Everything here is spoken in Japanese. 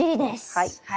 はい。